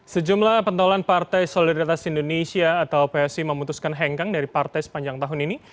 sejumlah pentolan partai solidaritas indonesia atau psi memutuskan hengkang dari partai sepanjang tahun ini